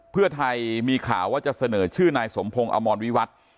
เพื่อไทยมีข่าวว่าจะเสนอชื่อนายสมพงศ์อมรวิวัตร